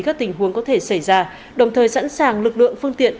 các tình huống có thể xảy ra đồng thời sẵn sàng lực lượng phương tiện